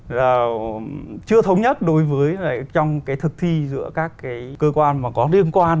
là chưa thống nhất đối với trong cái thực thi giữa các cái cơ quan mà có liên quan